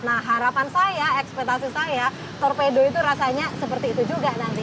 nah harapan saya ekspektasi saya torpedo itu rasanya seperti itu juga nanti